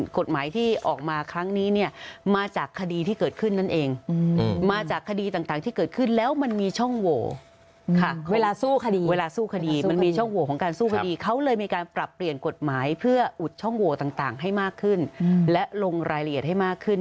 ประต่างให้มากขึ้นและลงรายละเอียดให้มากขึ้น